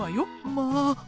まあ！